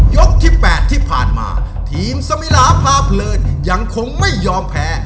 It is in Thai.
ยกที่๘ที่ผ่านมาทีมสมิลาพาเพลินยังคงไม่ยอมแพ้